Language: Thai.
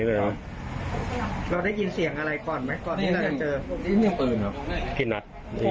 พวกเซตนัส